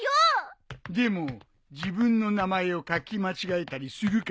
でも自分の名前を書き間違えたりするかな？